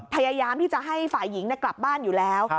พยายามที่จะให้ฝ่ายหญิงกลับบ้านอยู่แล้ว